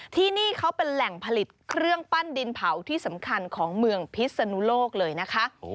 ที่นี่เขาเป็นแหล่งผลิตเครื่องปั้นดินเผาที่สำคัญของเมืองพิศนุโลกเลยนะคะ